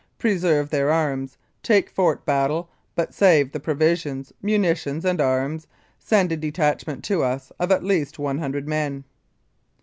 Preserve their arms. Take Fort Battle, but save the provisions, munitions and arms. Send a detachment to us of at least one hundred men."